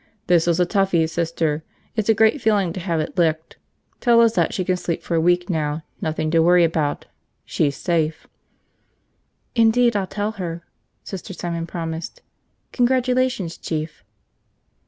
This was a toughie, Sister. It's a great feeling to have it licked. Tell Lizette she can sleep for a week now, nothing to worry about. She's safe." "Indeed I'll tell her," Sister Simon promised. "Congratulations, Chief."